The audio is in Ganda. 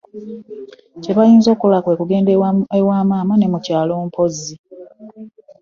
Kye bayinza okukola kwe kugenda ewa maama we mu kyalo mpozzi.